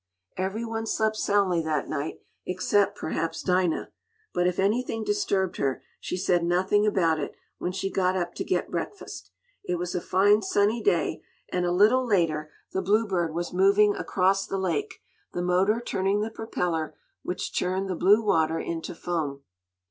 Every one slept soundly that sight, except perhaps Dinah, but if anything disturbed her, she said nothing about it, when she got up to get breakfast. It was a fine, sunny day, and a little later the Bluebird was moving across the lake, the motor turning the propeller, which churned the blue water into foam.